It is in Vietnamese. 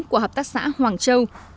của hợp tác xã hoàng châu